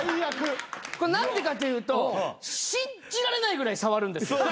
これ何でかというと信じられないぐらい触るんです。